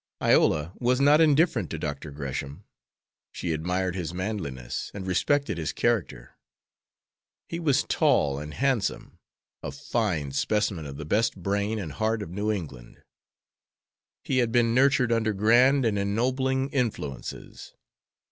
Iola was not indifferent to Dr. Gresham. She admired his manliness and respected his character. He was tall and handsome, a fine specimen of the best brain and heart of New England. He had been nurtured under grand and ennobling influences.